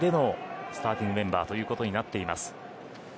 ６番でのスターティングメンバ―ということになっています。